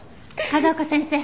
風丘先生。